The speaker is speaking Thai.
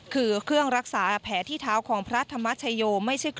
คือเครื่องรักษาแผลที่เท้าของพระธรรมชโย